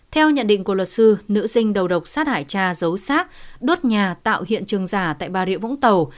theo nhận định của luật sư nữ sinh đầu độc sát hải cha giấu sát đốt nhà tạo hiện trường giả tại bà rịa vũng tàu